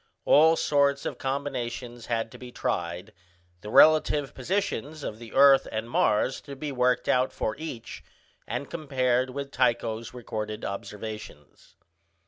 All sorts of combinations had to be tried, the relative positions of the earth and Mars to be worked out for each, and compared with Tycho's recorded observations.